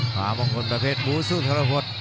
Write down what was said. ฟ้ามงคลประเภทบูชุธรพส